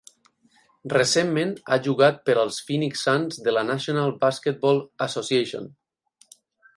Recentment ha jugat per als Phoenix Suns de la National Baskeball Association.